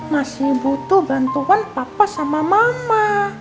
masih butuh bantuan papa sama mama